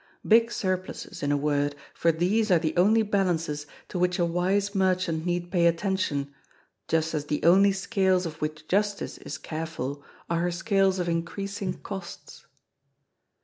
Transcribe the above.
Big surpluses, in a word, for these are the only balances to which a wise merchant need pay attention, just as the only scales of which Justice is careful are her scides of increasing costs.